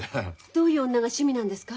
どういう女が趣味なんですか？